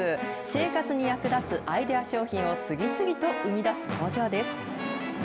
生活に役立つアイデア商品を次々と生み出す工場です。